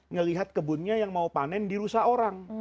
ngelihat kebunnya yang mau panen dirusak orang